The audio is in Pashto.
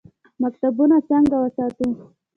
مکتبونه څنګه وساتو؟